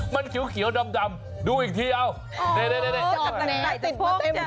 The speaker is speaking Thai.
มันเขียวดำดูอีกทีเอ้านี่ตัดติดมาเต็ม